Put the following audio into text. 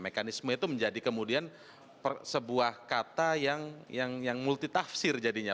mekanisme itu menjadi kemudian sebuah kata yang multitafsir jadinya